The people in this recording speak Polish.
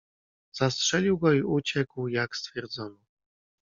"Zastrzelił go i uciekł, jak stwierdzono."